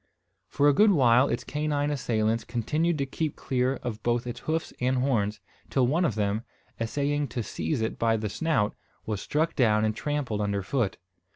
For a good while its canine assailants continued to keep clear of both its hoofs and horns; till one of them, essaying to seize it by the snout, was struck down and trampled under foot.